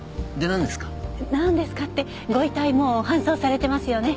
なんですか？ってご遺体もう搬送されてますよね？